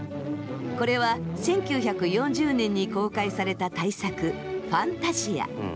これは１９４０年に公開された大作「ファンタジア」。